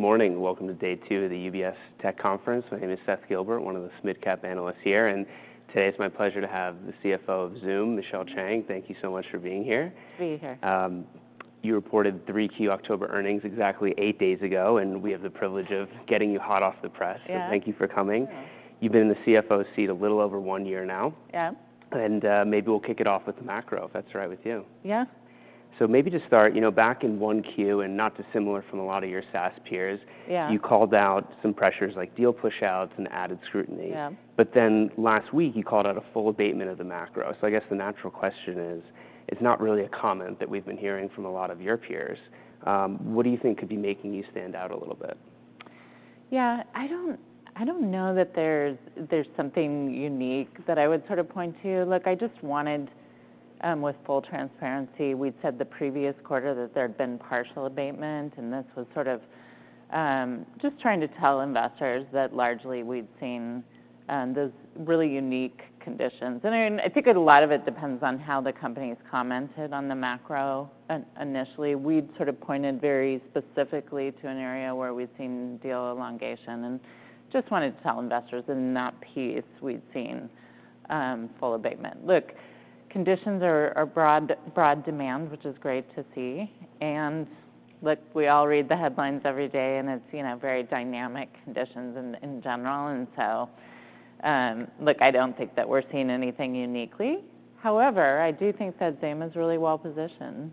Good morning. Welcome to day two of the UBS Tech Conference. My name is Seth Gilbert, one of the SMID-cap analysts here, and today it's my pleasure to have the CFO of Zoom, Michelle Chang. Thank you so much for being here. Being here. You reported three key October earnings exactly eight days ago, and we have the privilege of getting you hot off the press. Thank you. Thank you for coming. Thank you. You've been in the CFO seat a little over one year now. Yeah. Maybe we'll kick it off with the macro, if that's all right with you. Yeah. So maybe to start, you know, back in 1Q and not dissimilar from a lot of your SaaS peers. Yeah. You called out some pressures like deal push-outs and added scrutiny. Yeah. But then last week you called out a full abatement of the macro. So I guess the natural question is, it's not really a comment that we've been hearing from a lot of your peers. What do you think could be making you stand out a little bit? Yeah. I don't know that there's something unique that I would sort of point to. Look, I just wanted, with full transparency, we'd said the previous quarter that there had been partial abatement, and this was sort of just trying to tell investors that largely we'd seen those really unique conditions. I think a lot of it depends on how the company's commented on the macro initially. We'd sort of pointed very specifically to an area where we'd seen deal elongation and just wanted to tell investors in that piece we'd seen full abatement. Look, conditions are broad demand, which is great to see. Look, we all read the headlines every day, and it's, you know, very dynamic conditions in general. So, look, I don't think that we're seeing anything uniquely. However, I do think that Zoom is really well positioned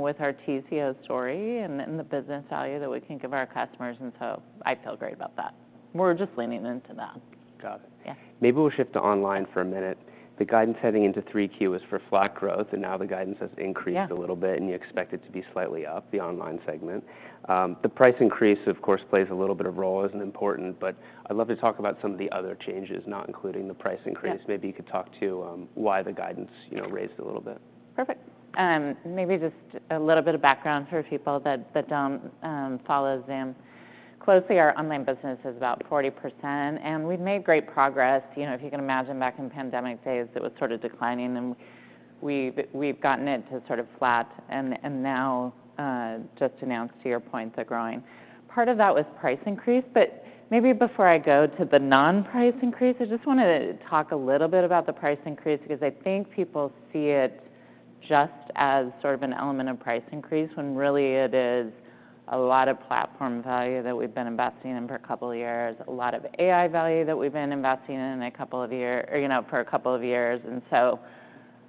with our TCO story and the business value that we can give our customers, and so I feel great about that. We're just leaning into that. Got it. Yeah. Maybe we'll shift to online for a minute. The guidance heading into 3Q is for flat growth, and now the guidance has increased a little bit, and you expect it to be slightly up, the online segment. The price increase, of course, plays a little bit of a role as an important, but I'd love to talk about some of the other changes, not including the price increase. Maybe you could talk to why the guidance, you know, raised a little bit? Perfect. Maybe just a little bit of background for people that don't follow Zoom closely. Our online business is about 40%, and we've made great progress. You know, if you can imagine back in pandemic days, it was sort of declining, and we've gotten it to sort of flat, and now, just announced to your point, they're growing. Part of that was price increase. But maybe before I go to the non-price increase, I just want to talk a little bit about the price increase because I think people see it just as sort of an element of price increase when really it is a lot of platform value that we've been investing in for a couple of years, a lot of AI value that we've been investing in a couple of years, you know, for a couple of years. And so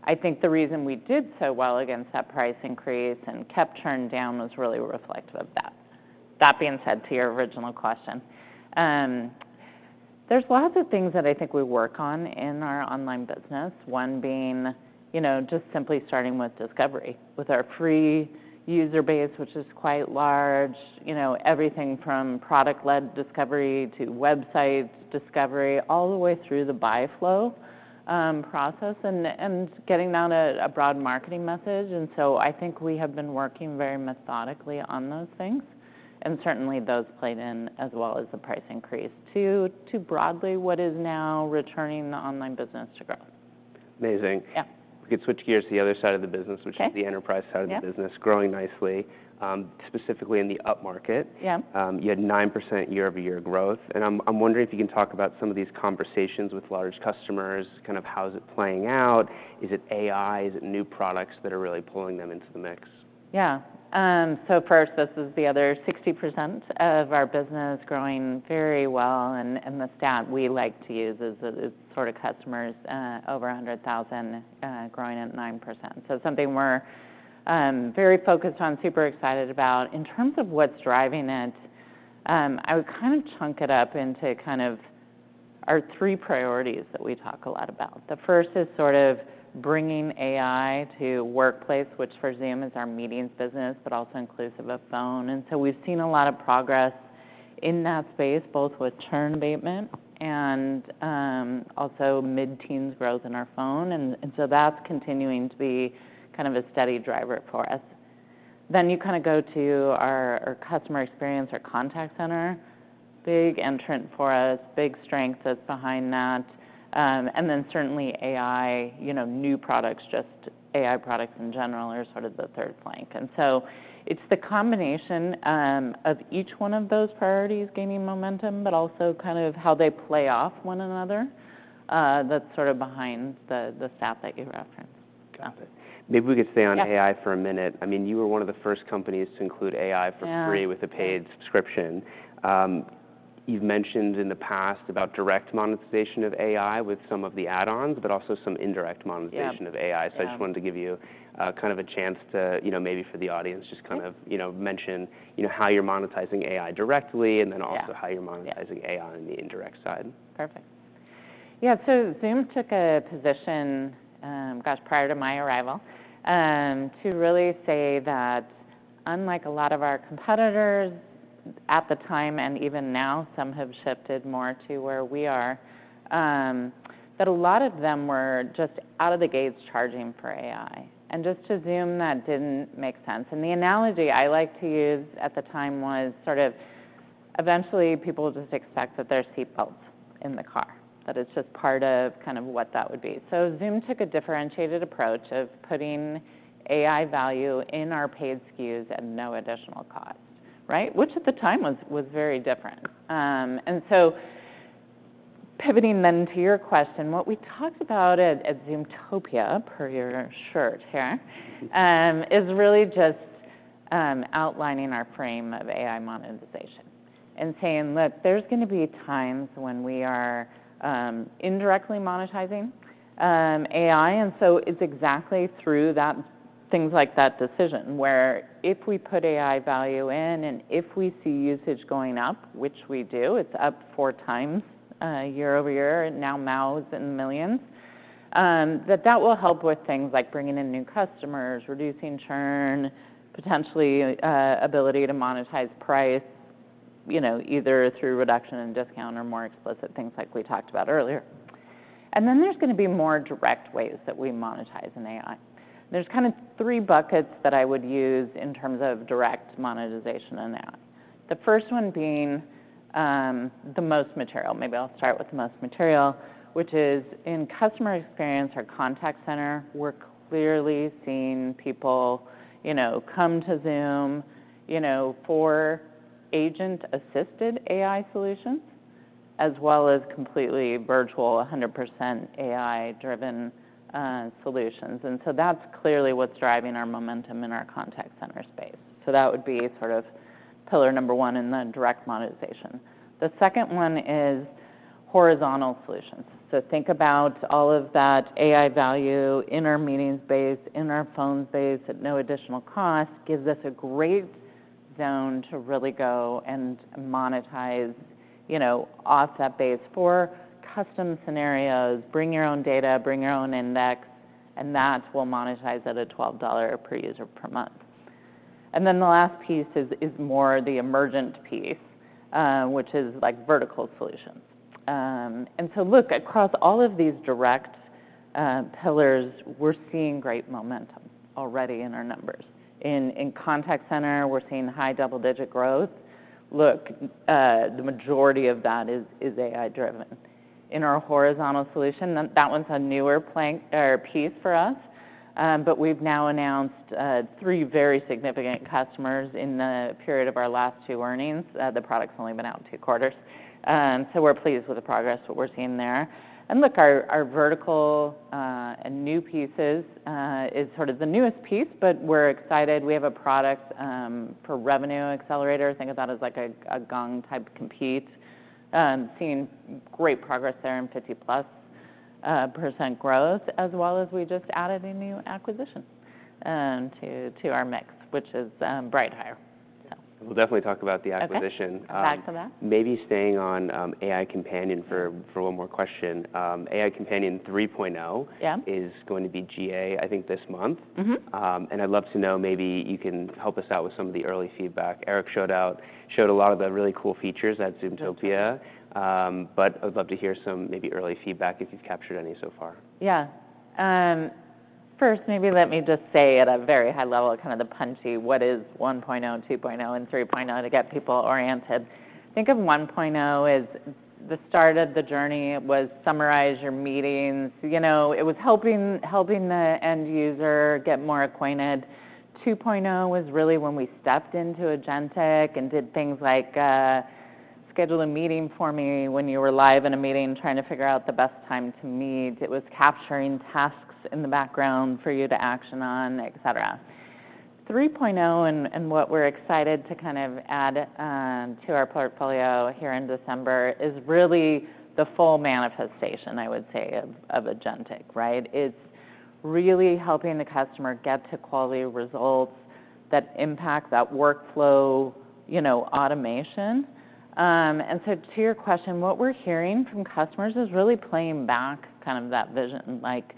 I think the reason we did so well against that price increase and kept churn down was really reflective of that. That being said, to your original question, there's lots of things that I think we work on in our online business, one being, you know, just simply starting with discovery, with our free user base, which is quite large, you know, everything from product-led discovery to website discovery, all the way through the buy flow process and getting down to a broad marketing message. And so I think we have been working very methodically on those things. And certainly those played in as well as the price increase to broadly what is now returning the online business to growth. Amazing. Yeah. We could switch gears to the other side of the business, which is the enterprise side of the business, growing nicely, specifically in the up market. Yeah. You had 9% year-over-year growth, and I'm wondering if you can talk about some of these conversations with large customers, kind of how is it playing out? Is it AI? Is it new products that are really pulling them into the mix? Yeah. So first, this is the other 60% of our business growing very well. And the stat we like to use is sort of customers over 100,000 growing at 9%. So something we're very focused on, super excited about. In terms of what's driving it, I would kind of chunk it up into kind of our three priorities that we talk a lot about. The first is sort of bringing AI to workplace, which for Zoom is our meetings business, but also inclusive of phone. And so we've seen a lot of progress in that space, both with churn abatement and also mid-teens growth in our phone. And so that's continuing to be kind of a steady driver for us. Then you kind of go to our customer experience, our contact center, big entrant for us, big strengths that's behind that. And then certainly AI, you know, new products, just AI products in general are sort of the third flank. And so it's the combination of each one of those priorities gaining momentum, but also kind of how they play off one another that's sort of behind the stat that you referenced. Got it. Maybe we could stay on AI for a minute. I mean, you were one of the first companies to include AI for free with a paid subscription. You've mentioned in the past about direct monetization of AI with some of the add-ons, but also some indirect monetization of AI. Yeah. So, I just wanted to give you kind of a chance to, you know, maybe for the audience, just kind of, you know, mention, you know, how you're monetizing AI directly and then also how you're monetizing AI on the indirect side. Perfect. Yeah. So Zoom took a position, gosh, prior to my arrival to really say that unlike a lot of our competitors at the time and even now, some have shifted more to where we are, that a lot of them were just out of the gates charging for AI. And just to Zoom, that didn't make sense. And the analogy I like to use at the time was sort of eventually people just expect that their seat belts in the car, that it's just part of kind of what that would be. So Zoom took a differentiated approach of putting AI value in our paid SKUs at no additional cost, right? Which at the time was very different. And so pivoting then to your question, what we talked about at Zoomtopia, per your shirt here, is really just outlining our framework of AI monetization and saying, look, there's going to be times when we are indirectly monetizing AI. And so it's exactly through that, things like that decision where if we put AI value in and if we see usage going up, which we do, it's up four times year over year, now MAUs in the millions, that that will help with things like bringing in new customers, reducing churn, potentially ability to monetize price, you know, either through reduction and discount or more explicit things like we talked about earlier. And then there's going to be more direct ways that we monetize in AI. There's kind of three buckets that I would use in terms of direct monetization in AI. The first one being the most material. Maybe I'll start with the most material, which is in customer experience or contact center. We're clearly seeing people, you know, come to Zoom, you know, for agent-assisted AI solutions as well as completely virtual 100% AI-driven solutions, and so that's clearly what's driving our momentum in our contact center space, so that would be sort of pillar number one in the direct monetization. The second one is horizontal solutions, so think about all of that AI value in our meetings base, in our phones base at no additional cost gives us a great zone to really go and monetize, you know, upsell base for custom scenarios, bring your own data, bring your own index, and that will monetize at a $12 per user per month, and then the last piece is more the emergent piece, which is like vertical solutions. And so look, across all of these direct pillars, we're seeing great momentum already in our numbers. In contact center, we're seeing high double-digit growth. Look, the majority of that is AI-driven. In our horizontal solution, that one's a newer piece for us, but we've now announced three very significant customers in the period of our last two earnings. The product's only been out two quarters. So we're pleased with the progress that we're seeing there. And look, our vertical and new pieces is sort of the newest piece, but we're excited. We have a product for Revenue Accelerator. Think of that as like a Gong-type competitor seeing great progress there and 50%+ growth as well as we just added a new acquisition to our mix, which is BrightHire. We'll definitely talk about the acquisition. Back to that. Maybe staying on AI Companion for one more question. AI Companion 3.0. Yeah. Is going to be GA, I think, this month. And I'd love to know, maybe you can help us out with some of the early feedback. Eric showed out, showed a lot of the really cool features at Zoomtopia, but I'd love to hear some maybe early feedback if you've captured any so far. Yeah. First, maybe let me just say at a very high level, kind of the punchy, what is 1.0, 2.0, and 3.0 to get people oriented. Think of 1.0 as the start of the journey was summarize your meetings. You know, it was helping the end user get more acquainted. 2.0 was really when we stepped into agentic and did things like schedule a meeting for me when you were live in a meeting, trying to figure out the best time to meet. It was capturing tasks in the background for you to action on, et cetera. 3.0 and what we're excited to kind of add to our portfolio here in December is really the full manifestation, I would say, of agentic, right? It's really helping the customer get to quality results that impact that workflow, you know, automation. And so, to your question, what we're hearing from customers is really playing back kind of that vision, like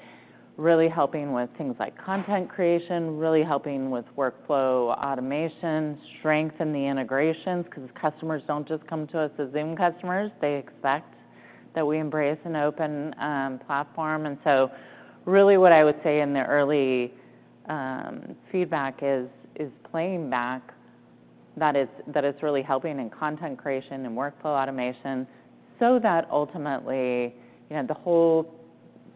really helping with things like content creation, really helping with workflow automation, strengthen the integrations because customers don't just come to us as Zoom customers. They expect that we embrace an open platform. And so really, what I would say in the early feedback is playing back that it's really helping in content creation and workflow automation so that ultimately, you know, the whole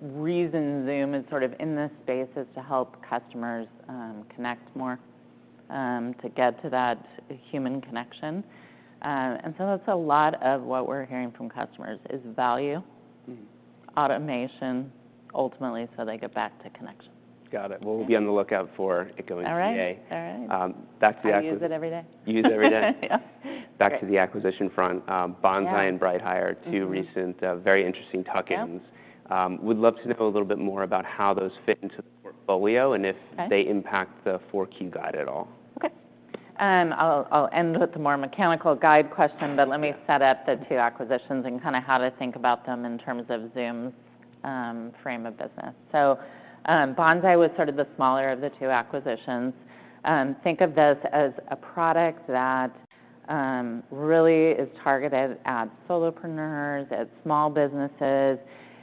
reason Zoom is sort of in this space is to help customers connect more to get to that human connection. And so that's a lot of what we're hearing from customers is value, automation ultimately, so they get back to connection. Got it. Well, we'll be on the lookout for it going to GA. All right. Back to the acquisition. Use it every day. Use it every day. Yeah. Back to the acquisition front, Bonsai and BrightHire, two recent very interesting tuck-ins. Would love to know a little bit more about how those fit into the portfolio and if they impact the 4Q guide at all? Okay. I'll end with the more mechanical guide question, but let me set up the two acquisitions and kind of how to think about them in terms of Zoom's frame of business. So Bonsai was sort of the smaller of the two acquisitions. Think of this as a product that really is targeted at solopreneurs, at small businesses,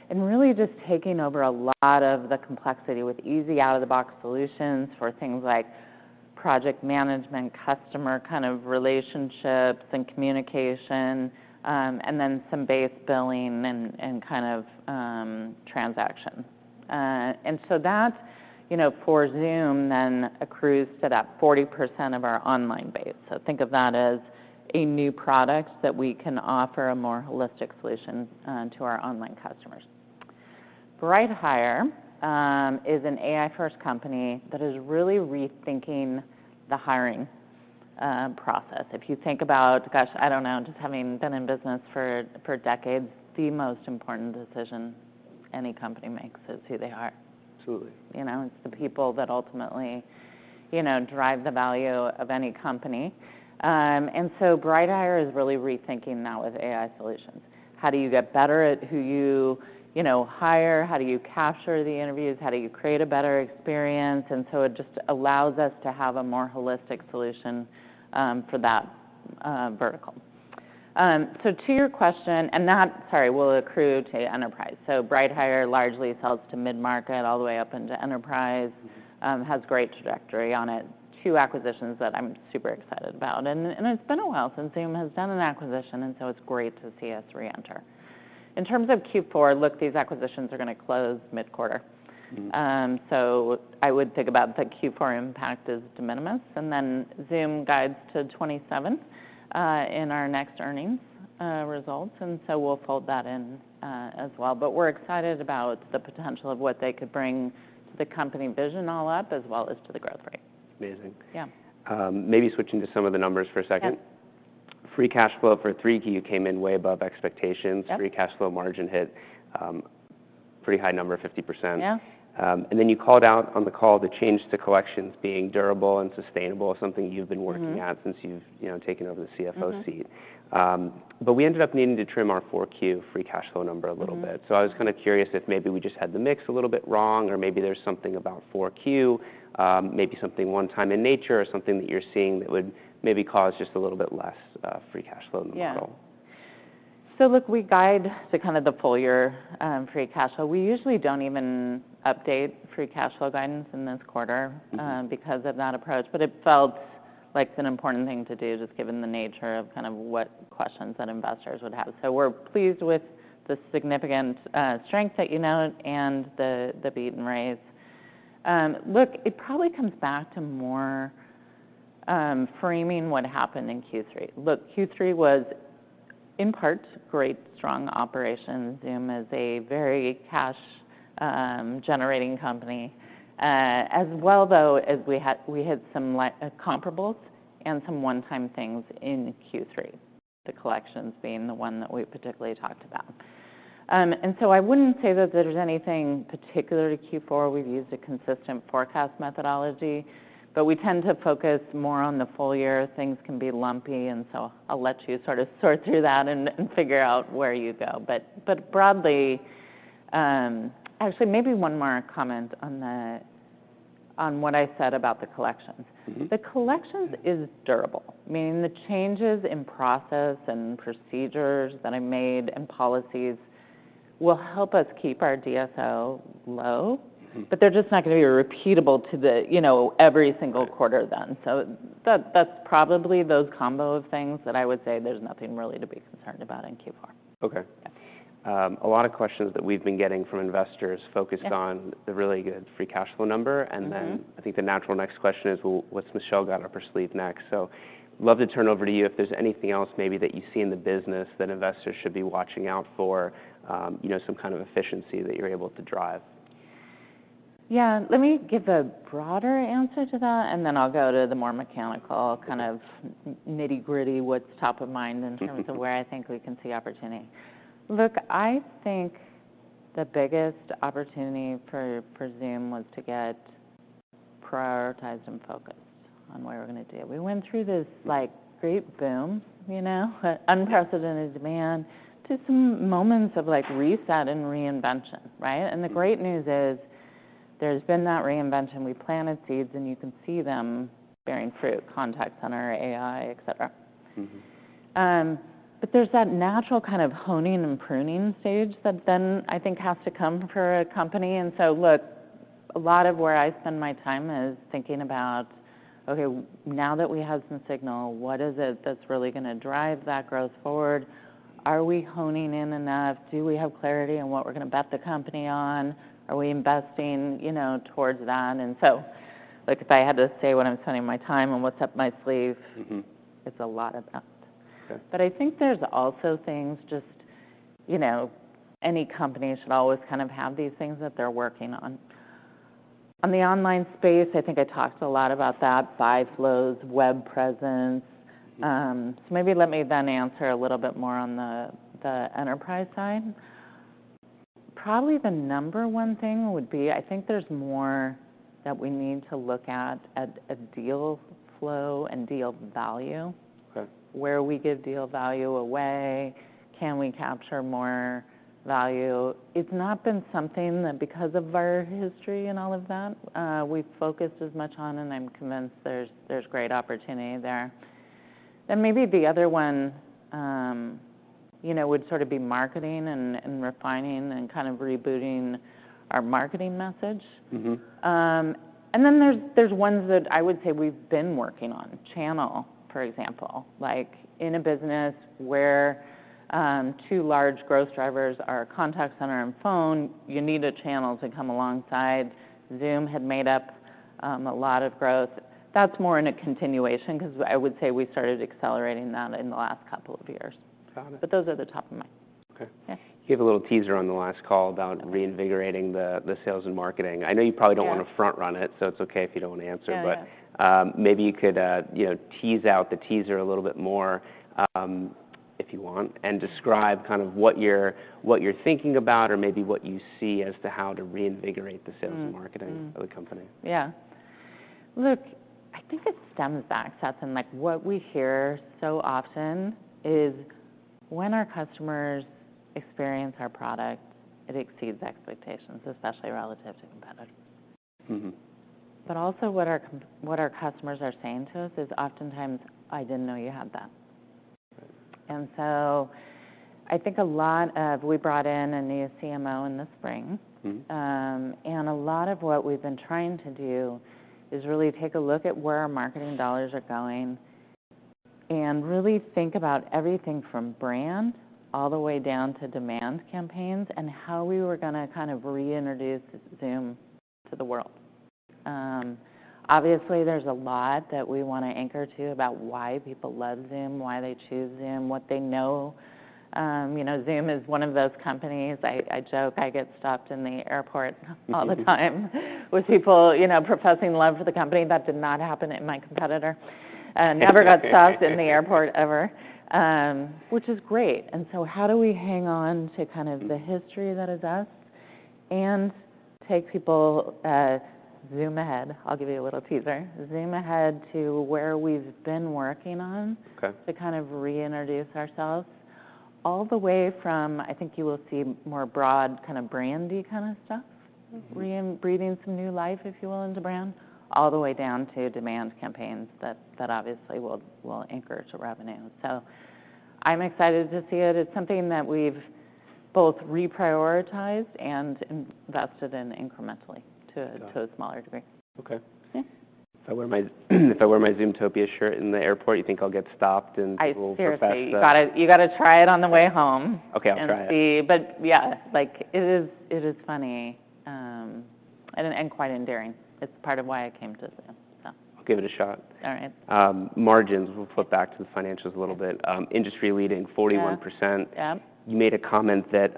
and really just taking over a lot of the complexity with easy out-of-the-box solutions for things like project management, customer kind of relationships and communication, and then some base billing and kind of transaction. And so that, you know, for Zoom then accrues to that 40% of our online base. So think of that as a new product that we can offer a more holistic solution to our online customers. BrightHire is an AI-first company that is really rethinking the hiring process. If you think about, gosh, I don't know, just having been in business for decades, the most important decision any company makes is who they are. Absolutely. You know, it's the people that ultimately, you know, drive the value of any company, and so BrightHire is really rethinking that with AI solutions. How do you get better at who you, you know, hire? How do you capture the interviews? How do you create a better experience? And so it just allows us to have a more holistic solution for that vertical, so to your question, and that, sorry, will accrue to enterprise. So BrightHire largely sells to mid-market all the way up into enterprise, has great trajectory on it, two acquisitions that I'm super excited about, and it's been a while since Zoom has done an acquisition, and so it's great to see us reenter. In terms of Q4, look, these acquisitions are going to close mid-quarter. So, I would think about the Q4 impact as de minimis, and then Zoom guides to 27 in our next earnings results. And so we'll fold that in as well. But we're excited about the potential of what they could bring to the company vision all up as well as to the growth rate. Amazing. Yeah. Maybe switching to some of the numbers for a second. Yeah. Free cash flow for 3Q came in way above expectations. Yeah. Free cash flow margin hit, pretty high number, 50%. Yeah. And then you called out on the call the change to collections being durable and sustainable, something you've been working at since you've, you know, taken over the CFO seat. Yeah. But we ended up needing to trim our 4Q free cash flow number a little bit. So I was kind of curious if maybe we just had the mix a little bit wrong or maybe there's something about 4Q, maybe something one-time in nature or something that you're seeing that would maybe cause just a little bit less free cash flow in the model. Yeah. So look, we guide to kind of the full year free cash flow. We usually don't even update free cash flow guidance in this quarter because of that approach, but it felt like an important thing to do just given the nature of kind of what questions that investors would have. So we're pleased with the significant strength that you note and the beat and raise. Look, it probably comes back to more framing what happened in Q3. Look, Q3 was in part great, strong operation. Zoom is a very cash-generating company. As well though, as we had some comparables and some one-time things in Q3, the collections being the one that we particularly talked about. And so I wouldn't say that there's anything particular to Q4. We've used a consistent forecast methodology, but we tend to focus more on the full year. Things can be lumpy, and so I'll let you sort of sort through that and figure out where you go. But broadly, actually maybe one more comment on what I said about the collections. The collections is durable, meaning the changes in process and procedures that I made and policies will help us keep our DSO low, but they're just not going to be repeatable to the, you know, every single quarter then. So that's probably those combo of things that I would say there's nothing really to be concerned about in Q4. Okay. Yeah. A lot of questions that we've been getting from investors focused on the really good free cash flow number, and then I think the natural next question is, well, what's Michelle got up her sleeve next? So I'd love to turn over to you if there's anything else maybe that you see in the business that investors should be watching out for, you know, some kind of efficiency that you're able to drive. Yeah. Let me give a broader answer to that, and then I'll go to the more mechanical kind of nitty-gritty, what's top of mind in terms of where I think we can see opportunity. Look, I think the biggest opportunity for Zoom was to get prioritized and focused on where we're going to do. We went through this like great boom, you know, unprecedented demand to some moments of like reset and reinvention, right? And the great news is there's been that reinvention. We planted seeds and you can see them bearing fruit, contact center, AI, et cetera. But there's that natural kind of honing and pruning stage that then I think has to come for a company. And so look, a lot of where I spend my time is thinking about, okay, now that we have some signal, what is it that's really going to drive that growth forward? Are we honing in enough? Do we have clarity on what we're going to bet the company on? Are we investing, you know, towards that? And so look, if I had to say what I'm spending my time and what's up my sleeve, it's a lot of that. Okay. But I think there's also things just, you know, any company should always kind of have these things that they're working on. On the online space, I think I talked a lot about that, buy flows, web presence. So maybe let me then answer a little bit more on the enterprise side. Probably the number one thing would be, I think there's more that we need to look at at a deal flow and deal value. Okay. Where we give deal value away, can we capture more value? It's not been something that because of our history and all of that, we've focused as much on, and I'm convinced there's great opportunity there. Then maybe the other one, you know, would sort of be marketing and refining and kind of rebooting our marketing message. And then there's ones that I would say we've been working on, channel, for example, like in a business where two large growth drivers are contact center and phone, you need a channel to come alongside. Zoom had made up a lot of growth. That's more in a continuation because I would say we started accelerating that in the last couple of years. Got it. But those are the top of mind. Okay. Yeah. You gave a little teaser on the last call about reinvigorating the sales and marketing. I know you probably don't want to front-run it, so it's okay if you don't want to answer, but maybe you could, you know, tease out the teaser a little bit more if you want and describe kind of what you're thinking about or maybe what you see as to how to reinvigorate the sales and marketing of the company. Yeah. Look, I think it stems back, Seth, and like what we hear so often is when our customers experience our product, it exceeds expectations, especially relative to competitors. But also what our customers are saying to us is oftentimes, "I didn't know you had that." And so I think a lot of, we brought in a new CMO in the spring, and a lot of what we've been trying to do is really take a look at where our marketing dollars are going and really think about everything from brand all the way down to demand campaigns and how we were going to kind of reintroduce Zoom to the world. Obviously, there's a lot that we want to anchor to about why people love Zoom, why they choose Zoom, what they know. You know, Zoom is one of those companies. I joke I get stopped in the airport all the time with people, you know, professing love for the company. That did not happen in my competitor. Never got stopped in the airport ever, which is great, and so how do we hang on to kind of the history that is us and take people, Zoom ahead. I'll give you a little teaser. Zoom ahead to where we've been working on. Okay. To kind of reintroduce ourselves all the way from, I think you will see more broad kind of brand kind of stuff, breathing some new life, if you will, into brand, all the way down to demand campaigns that obviously will anchor to revenue, so I'm excited to see it. It's something that we've both reprioritized and invested in incrementally to a smaller degree. Okay. Yeah. If I wear my Zoomtopia shirt in the airport, you think I'll get stopped and people will profess stuff? I see. You got to try it on the way home. Okay, I'll try it. Yeah, like it is funny and quite endearing. It's part of why I came to Zoom, so. I'll give it a shot. All right. Margins, we'll flip back to the financials a little bit. Industry leading, 41%. Yep. You made a comment that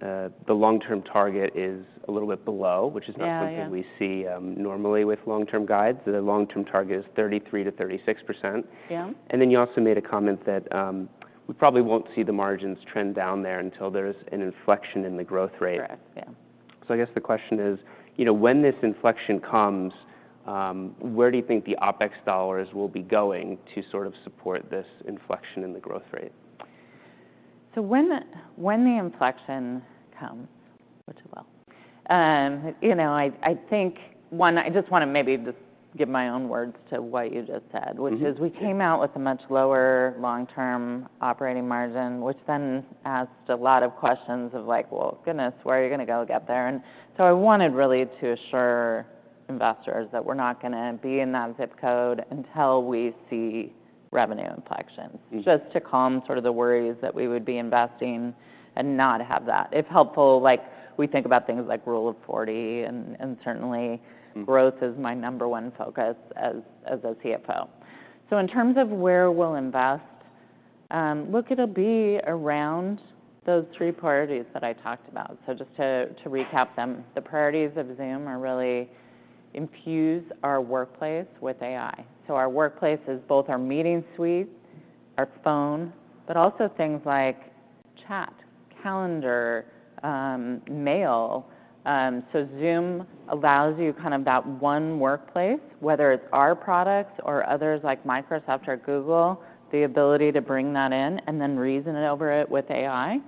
the long-term target is a little bit below, which is not something we see normally with long-term guides. The long-term target is 33%-36%. Yeah. And then you also made a comment that we probably won't see the margins trend down there until there's an inflection in the growth rate. Correct. Yeah. So I guess the question is, you know, when this inflection comes, where do you think the OpEx dollars will be going to sort of support this inflection in the growth rate? So when the inflection comes, which is well, you know, I think one. I just want to maybe just give my own words to what you just said, which is we came out with a much lower long-term operating margin, which then asked a lot of questions of like, well, goodness, where are you going to go get there? And so I wanted really to assure investors that we're not going to be in that zip code until we see revenue inflections just to calm sort of the worries that we would be investing and not have that. If helpful, like we think about things like rule of 40, and certainly growth is my number one focus as a CFO. So in terms of where we'll invest, look, it'll be around those three priorities that I talked about. So just to recap them, the priorities of Zoom are really infuse our workplace with AI. So our workplace is both our meeting suite, our phone, but also things like chat, calendar, mail. So Zoom allows you kind of that one workplace, whether it's our products or others like Microsoft or Google, the ability to bring that in and then reason over it with AI.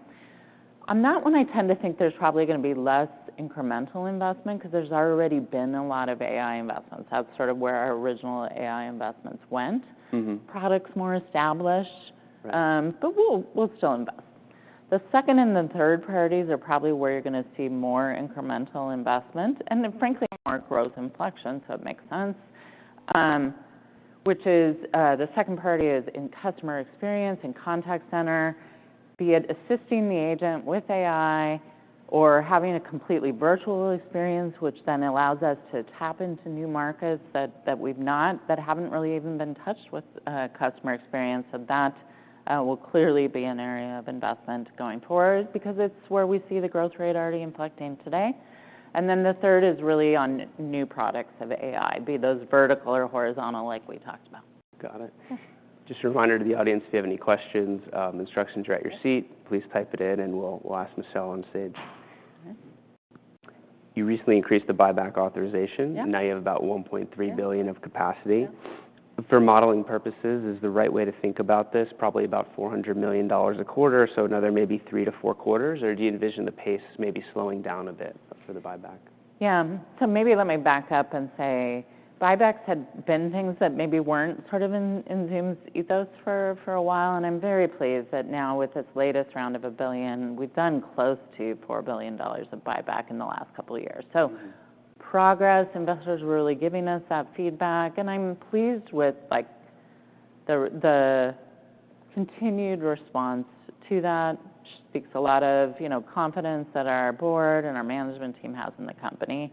On that one, I tend to think there's probably going to be less incremental investment because there's already been a lot of AI investments. That's sort of where our original AI investments went. Products more established, but we'll still invest. The second and the third priorities are probably where you're going to see more incremental investment and frankly more growth inflection, so it makes sense, which is the second priority is in customer experience and contact center, be it assisting the agent with AI or having a completely virtual experience, which then allows us to tap into new markets that haven't really even been touched with customer experience. So that will clearly be an area of investment going forward because it's where we see the growth rate already inflecting today, and then the third is really on new products of AI, be those vertical or horizontal like we talked about. Got it. Yeah. Just a reminder to the audience: if you have any questions, instructions are at your seat. Please type it in, and we'll ask Michelle on stage. All right. You recently increased the buyback authorization. Yeah. Now you have about $1.3 billion of capacity. For modeling purposes, is the right way to think about this probably about $400 million a quarter or so another maybe three to four quarters, or do you envision the pace maybe slowing down a bit for the buyback? Yeah. So maybe let me back up and say buybacks had been things that maybe weren't sort of in Zoom's ethos for a while, and I'm very pleased that now with this latest round of $1 billion, we've done close to $4 billion of buyback in the last couple of years. So progress, investors were really giving us that feedback, and I'm pleased with like the continued response to that speaks a lot of, you know, confidence that our board and our management team has in the company.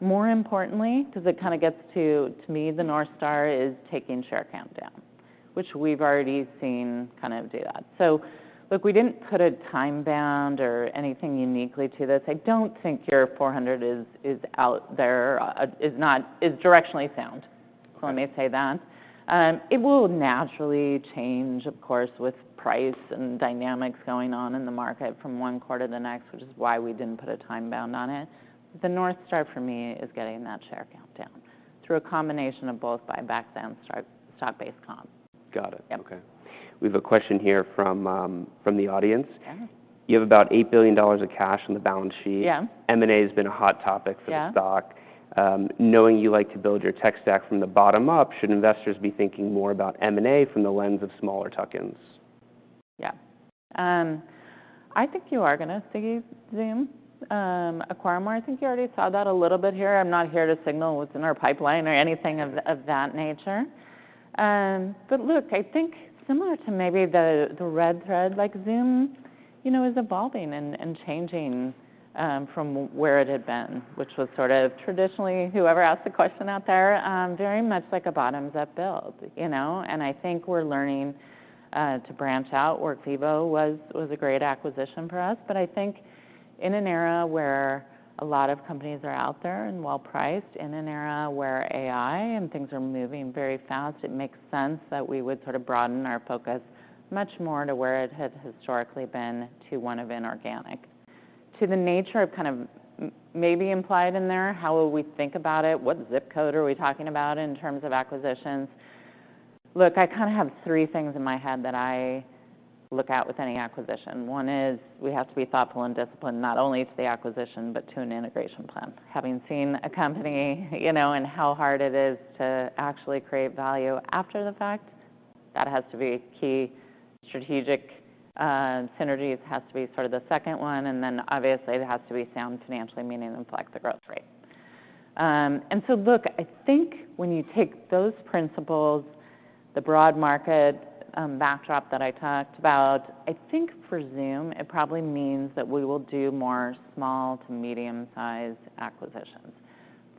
More importantly, because it kind of gets to me, the North Star is taking share count down, which we've already seen kind of do that. So look, we didn't put a time-bound or anything uniquely to this. I don't think your 400 is out there, is not, is directionally sound. So let me say that. It will naturally change, of course, with price and dynamics going on in the market from one quarter to the next, which is why we didn't put a time bound on it. The North Star for me is getting that share count down through a combination of both buybacks and stock-based comp. Got it. Yep. Okay. We have a question here from the audience. Yeah. You have about $8 billion of cash on the balance sheet. Yeah. M&A has been a hot topic for the stock. Yeah. Knowing you like to build your tech stack from the bottom up, should investors be thinking more about M&A from the lens of smaller tuck-ins? Yeah. I think you are going to see Zoom acquire more. I think you already saw that a little bit here. I'm not here to signal what's in our pipeline or anything of that nature. But look, I think similar to maybe the red thread, like Zoom, you know, is evolving and changing from where it had been, which was sort of traditionally whoever asked the question out there, very much like a bottoms-up build, you know? And I think we're learning to branch out. Workvivo was a great acquisition for us, but I think in an era where a lot of companies are out there and well-priced, in an era where AI and things are moving very fast, it makes sense that we would sort of broaden our focus much more to where it had historically been to one of inorganic. To the nature of kind of maybe implied in there, how will we think about it? What zip code are we talking about in terms of acquisitions? Look, I kind of have three things in my head that I look at with any acquisition. One is we have to be thoughtful and disciplined not only to the acquisition, but to an integration plan. Having seen a company, you know, and how hard it is to actually create value after the fact, that has to be key. Strategic synergies has to be sort of the second one, and then obviously it has to be sound financially, meaning inflect the growth rate. And so look, I think when you take those principles, the broad market backdrop that I talked about, I think for Zoom it probably means that we will do more small to medium-sized acquisitions.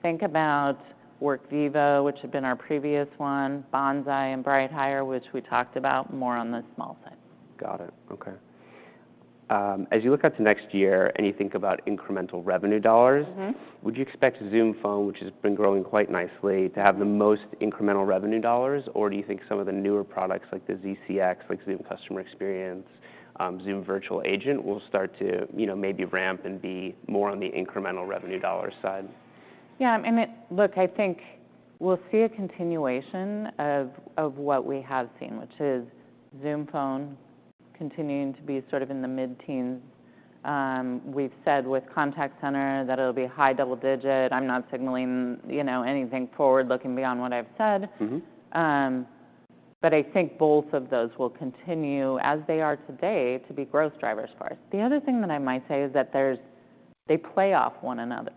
Think about Workvivo, which had been our previous one, Bonsai and BrightHire, which we talked about more on the small side. Got it. Okay. As you look out to next year and you think about incremental revenue dollars, would you expect Zoom Phone, which has been growing quite nicely, to have the most incremental revenue dollars, or do you think some of the newer products like the ZCX, like Zoom Customer Experience, Zoom Virtual Agent will start to, you know, maybe ramp and be more on the incremental revenue dollar side? Yeah. And look, I think we'll see a continuation of what we have seen, which is Zoom Phone continuing to be sort of in the mid-teens. We've said with contact center that it'll be high double digit. I'm not signaling, you know, anything forward-looking beyond what I've said, but I think both of those will continue as they are today to be growth drivers for us. The other thing that I might say is that there's, they play off one another,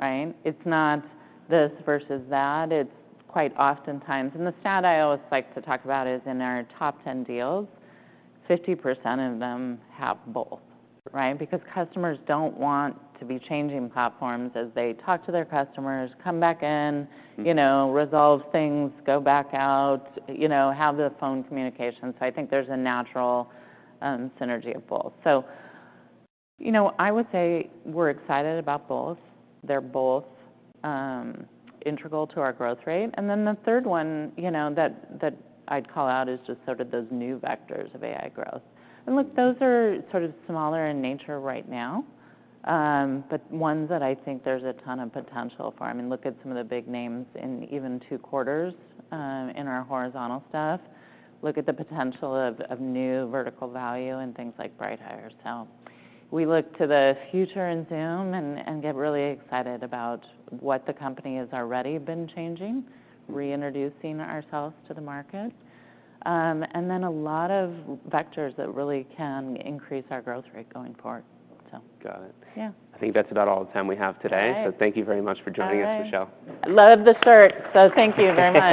right? It's not this versus that. It's quite oftentimes, and the stat I always like to talk about is in our top 10 deals, 50% of them have both, right? Because customers don't want to be changing platforms as they talk to their customers, come back in, you know, resolve things, go back out, you know, have the phone communication. So I think there's a natural synergy of both. You know, I would say we're excited about both. They're both integral to our growth rate. Then the third one, you know, that I'd call out is just sort of those new vectors of AI growth. Look, those are sort of smaller in nature right now, but ones that I think there's a ton of potential for. I mean, look at some of the big names in even two quarters in our horizontal stuff. Look at the potential of new vertical value and things like BrightHire. We look to the future in Zoom and get really excited about what the company has already been changing, reintroducing ourselves to the market, and then a lot of vectors that really can increase our growth rate going forward. Got it. Yeah. I think that's about all the time we have today. Okay. So thank you very much for joining us, Michelle. Love the shirt. So thank you very much.